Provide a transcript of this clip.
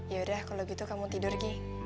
yaudah kalo gitu kamu tidur gi